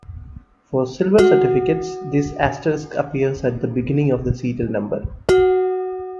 For silver certificates this asterisk appears at the beginning of the serial number.